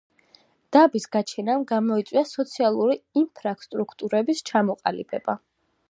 დაბის გაჩენამ გამოიწვია სოციალური ინფრასტრუქტურების ჩამოყალიბება.